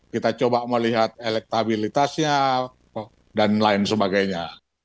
kita coba melihat elektabilitasnya dan lain sebagainya